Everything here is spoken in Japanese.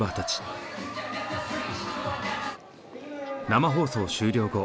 生放送終了後。